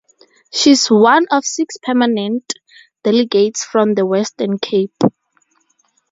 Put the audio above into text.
She is one of six permanent delegates from the Western Cape.